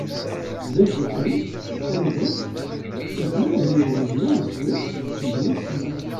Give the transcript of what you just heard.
D acu kan, amdan, izmer ad ineɣ mebla iswi, mebla ssebba.